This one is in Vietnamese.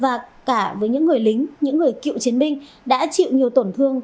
và cả với những người lính những người cựu chiến binh đã chịu nhiều tổn thương